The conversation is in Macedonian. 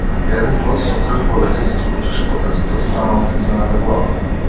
Еден млаз со крв полека ѝ се спушташе по десната страна од нејзината глава.